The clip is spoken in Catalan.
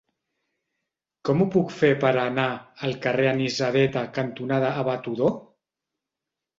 Com ho puc fer per anar al carrer Anisadeta cantonada Abat Odó?